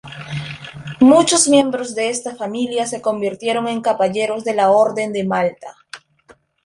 Muchos miembros de esta familia se convirtieron en caballeros de la Orden de Malta.